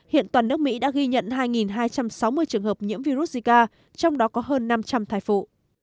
hiện toàn nước mỹ đã ghi nhận hai hai trăm sáu mươi trường hợp nhiễm virus zika trong đó có hơn năm trăm linh thai phụ